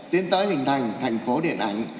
tiến tới hình thành thành phố điện ảnh